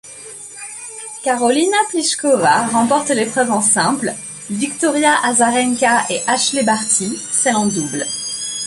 Karolína Plíšková remporte l'épreuve en simple, Victoria Azarenka et Ashleigh Barty celle en double.